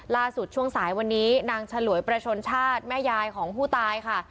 ช่วงสายวันนี้นางฉลวยประชนชาติแม่ยายของผู้ตายค่ะ